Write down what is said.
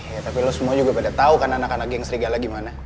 ya tapi lo semua juga pada tau kan anak anak yang serigala gimana